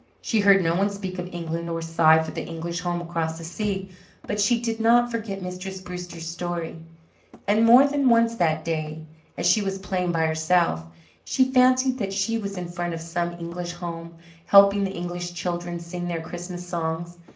She heard no one speak of England or sigh for the English home across the sea. But she did not forget Mistress Brewster's story; and more than once that day, as she was playing by herself, she fancied that she was in front of some English home, helping the English children sing their Christmas songs.